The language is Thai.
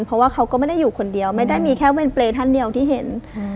เพราะว่าเขาก็ไม่ได้อยู่คนเดียวไม่ได้มีแค่เวรเปรย์ท่านเดียวที่เห็นอืม